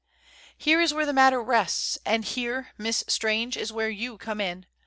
Here is where the matter rests and here, Miss Strange, is where you come in.